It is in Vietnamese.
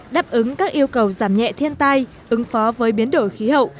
đáp ứng các yêu cầu giảm nhẹ thiên tai ứng phó với biến đổi khí hậu